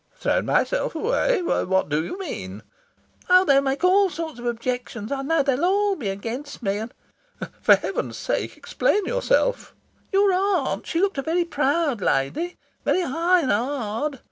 "Thrown myself away? What do you mean?" "Oh, they'll make all sorts of objections, I know. They'll all be against me, and " "For heaven's sake, explain yourself." "Your aunt, she looked a very proud lady very high and hard.